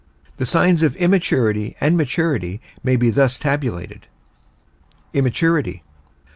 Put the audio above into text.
The signs of immaturity and maturity may be thus tabulated: IMMATURITY. MATURITY.